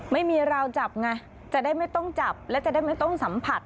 ไม่มีราวจับไงจะได้ไม่ต้องจับและจะได้ไม่ต้องสัมผัส